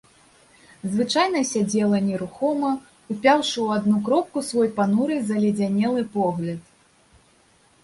Звычайна сядзела нерухома, упяўшы ў адну кропку свой пануры заледзянелы погляд.